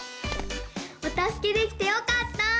おたすけできてよかった！